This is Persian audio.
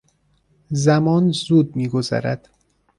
زمان زود میگذرد.